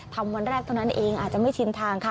วันแรกเท่านั้นเองอาจจะไม่ชินทางค่ะ